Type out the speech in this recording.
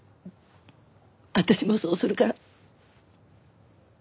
私もそうするから。